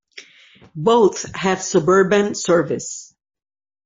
Both have suburban service.